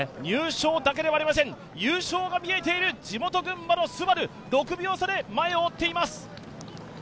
入賞だけではありません、優勝が見えている地元・群馬のＳＵＢＡＲＵ、６秒差で前を追っています。